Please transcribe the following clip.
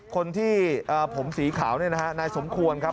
คนที่ผมสีขาวนี่นะฮะนายสมควรครับ